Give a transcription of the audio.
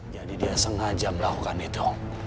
jadi dia sengaja melakukan itu